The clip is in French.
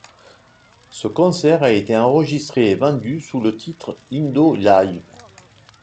Ce concert a été enregistré et vendu sous le titre Indo Live.